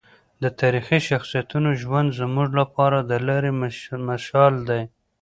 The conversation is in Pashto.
د تاریخي شخصیتونو ژوند زموږ لپاره د لارې مشال دی.